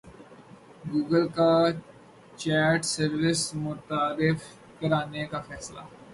Google کا chat service متعارف کرانے کا فیصلہ